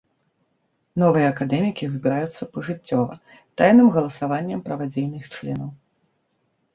Новыя акадэмікі выбіраюцца пажыццёва, тайным галасаваннем правадзейных членаў.